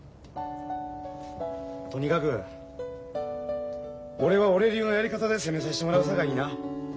とにかく俺は俺流のやり方で攻めさせてもらうさかいにな。